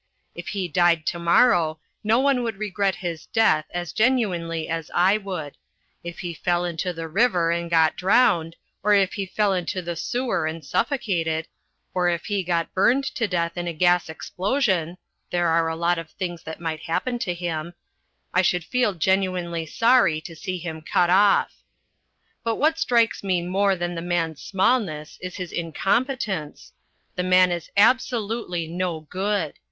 If he died to morrow, no one would regret his death as genuinely as I would: if he fell into the river and got drowned, or if he fell into a sewer and suffocated, or if he got burned to death in a gas explosion (there are a lot of things that might happen to him), I should feel genuinely sorry to see him cut off. But what strikes me more than the man's smallness is his incompetence. The man is absolutely no good.